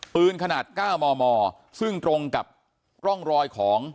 ปืนขนาด๙มมซึ่งตรงกับร่องรอยของ